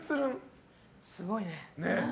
すごいね。